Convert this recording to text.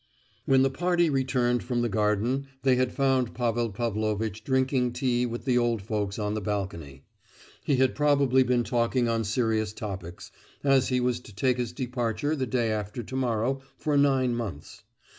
When the party returned from the garden they had found Pavel Pavlovitch drinking tea with the old folks on the balcony. He had probably been talking on serious topics, as he was to take his departure the day after to morrow for nine months.